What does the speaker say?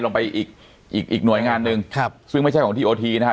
ลงไปอีกอีกหน่วยงานหนึ่งครับซึ่งไม่ใช่ของทีโอทีนะครับ